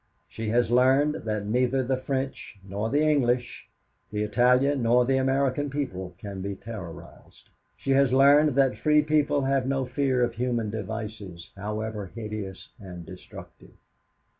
She has learned that neither the French nor the English, the Italian nor the American people can be terrorized. She has learned that free people have no fear of human devices, however hideous and destructive.